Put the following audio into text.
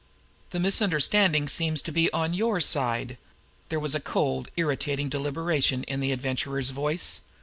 "The misunderstanding seems to be on your side." There was a cold, irritating deliberation in the Adventurer's voice.